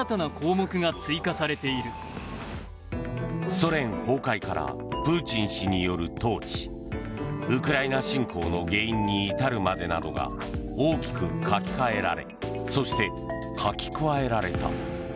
ソ連崩壊からプーチン氏による統治ウクライナ侵攻の原因に至るまでなどが大きく書き換えられそして書き加えられた。